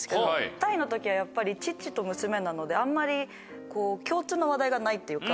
２人の時はやっぱり父と娘なのであんまり共通の話題がないっていうか。